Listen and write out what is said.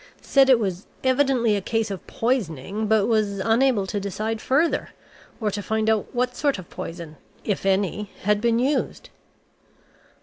Said it was evidently a case of poisoning, but was unable to decide further, or to find out what sort of poison if any had been used."